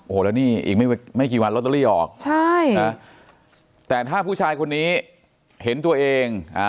โอ้โหแล้วนี่อีกไม่กี่วันลอตเตอรี่ออกใช่นะแต่ถ้าผู้ชายคนนี้เห็นตัวเอง